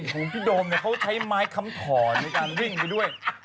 คุณพี่โดมเนี่ยใช้ไม้คำถอดในการวิ่งอยู่ด้วย